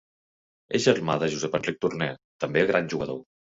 És germà de Josep Enric Torner, també gran jugador.